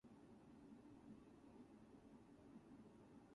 The nosecap is tapered, which causes the fingers to clamp onto the tool.